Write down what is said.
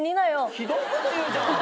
ひどいこと言うじゃん！